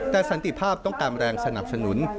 แต่สันติภาพต้องการแรงสนับสนุน